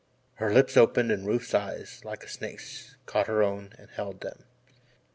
Her lips opened and Rufe's eyes, like a snake's, caught her own again and held them.